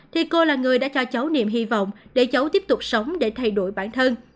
thì cô là người đã cho cháu niềm hy vọng để cháu tiếp tục sống để thay đổi bản thân